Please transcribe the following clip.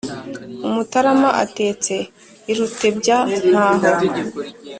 umutarama atetse i rutebya-ntaho.